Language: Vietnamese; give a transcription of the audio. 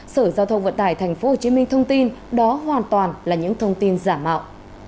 sở giao thông vận tải tp hcm thông tin đó hoàn toàn là những thông tin giả mạo